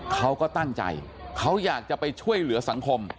เขาก็ตั้งใจเขาอยากจะไปช่วยเหลือสังคม